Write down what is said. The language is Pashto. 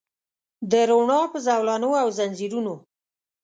د روڼا په زولنو او ځنځیرونو